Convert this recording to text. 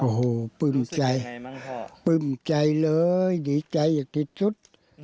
โอ้โหปลื้มใจปลื้มใจเลยดีใจอย่างที่สุด